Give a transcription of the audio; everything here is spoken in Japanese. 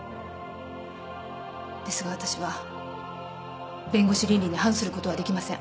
ですが私は弁護士倫理に反することはできません。